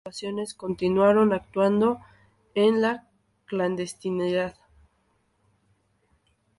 Sin embargo, algunas agrupaciones continuaron actuando en la clandestinidad.